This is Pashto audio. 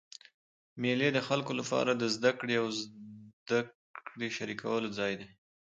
مېلې د خلکو له پاره د زدهکړي او زدهکړي شریکولو ځای دئ.